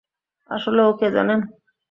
আসলে ও কে জানেন?